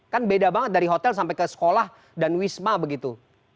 kan beda banget dari hotel sampai ke sekolah dan wisma begitu